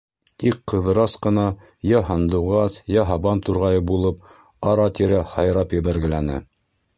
Тик Ҡыҙырас ҡына йә һандуғас, йә һабан турғайы булып ара-тирә һайрап ебәргеләне.